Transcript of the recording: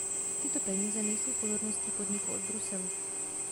Tyto peníze nejsou pozorností podniku od Bruselu.